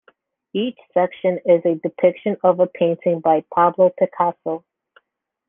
Each section is a depiction of a painting by Pablo Picasso.